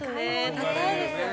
高いですよね。